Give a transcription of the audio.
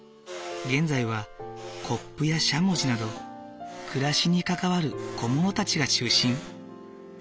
現在はコップやしゃもじなど暮らしに関わる小物たちが中心。